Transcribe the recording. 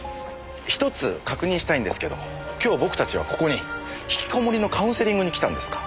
１つ確認したいんですけど今日僕たちはここに引きこもりのカウンセリングに来たんですか？